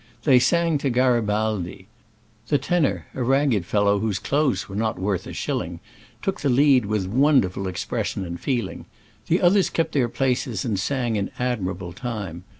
They sang to Gari baldi ! The tenor, a ragged fellow, whose clothes were not worth a shilling, took the lead with wonderful expression and feeling. The others kept their places and sang in admirable time.